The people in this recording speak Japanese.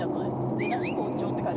出だし好調って感じ。